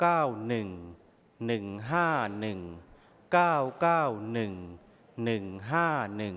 หนึ่งหนึ่งห้าหนึ่งเก้าเก้าหนึ่งหนึ่งห้าหนึ่ง